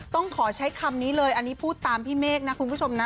ต้องขอใช้คำนี้เลยอันนี้พูดตามพี่เมฆนะคุณผู้ชมนะ